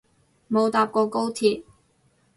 冇搭過高鐵